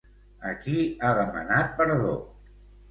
A qui ha demanat perdó?